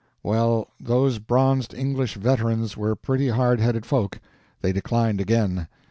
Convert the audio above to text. Well, those bronzed English veterans were pretty hard headed folk. They declined again.